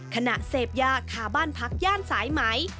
ขณะเสพยาคาบ้านพักย่านสายไหม